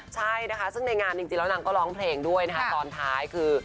ใช่นะคะซึ่งในงานจริงแล้วนางก็ร้องเพลงด้วยนะคะตอนท้ายคือ